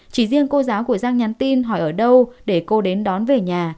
chỉ riêng cô giáo của giang nhắn tin hỏi ở đâu để cô đến đón về nhà